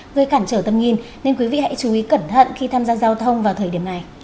gây cản trở tầm nhìn nên quý vị hãy chú ý cẩn thận khi tham gia giao thông vào thời điểm này